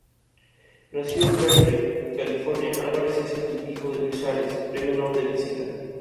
Nacido en Berkeley, California, Alvarez es hijo de Luis Alvarez, Premio Nobel de física.